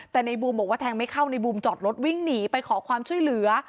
แต่ในบูมบอกว่าแทงไม่เข้าในบูมจอดรถวิ่งหนีไปขอความช่วยเหลือ